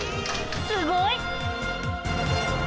すごい！